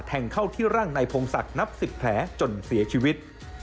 เข้าที่ร่างนายพงศักดิ์นับ๑๐แผลจนเสียชีวิต